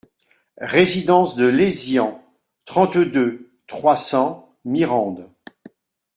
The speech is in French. Résidence de Lézian, trente-deux, trois cents Mirande